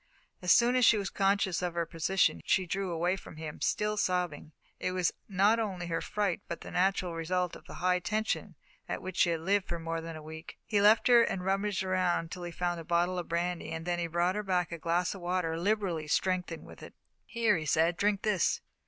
As soon as she was conscious of her position, she drew away from him, still sobbing. It was not only her fright, but the natural result of the high tension at which she had lived for more than a week. He left her and rummaged around until he found a bottle of brandy, then he brought her a glass of water liberally strengthened with it. "Here," he said, "drink this."